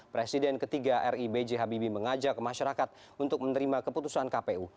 presiden ketiga ri b j habibie mengajak masyarakat untuk menerima keputusan kpu